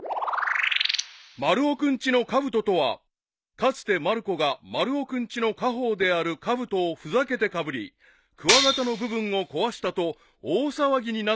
［丸尾君ちのかぶととはかつてまる子が丸尾君ちの家宝であるかぶとをふざけてかぶりクワガタの部分を壊したと大騒ぎになった事件である］